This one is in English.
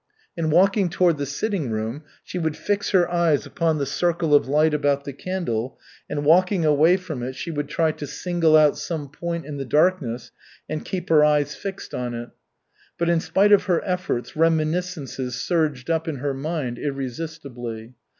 In walking toward the sitting room she would fix her eyes upon the circle of light about the candle, and walking away from it, she would try to single out some point in the darkness and keep her eyes fixed on it. But in spite of her efforts reminiscences surged up in her mind irresistibly.